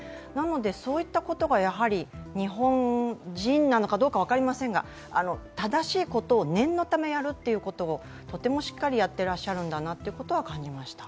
そういったことが日本人なのかどうか分かりませんが正しいことを念のためやるっていうことを、とてもしっかりやってらっしゃると感じました。